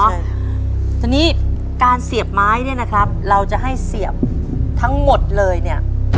ใช่ค่ะทีนี้การเสียบไม้เนี่ยนะครับเราจะให้เสียบทั้งหมดเลยเนี่ย